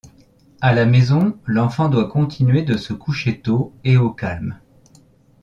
À la maison l'enfant doit continuer de se coucher tôt et au calme.